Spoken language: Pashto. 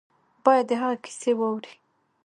باید د هغه کیسه واوري.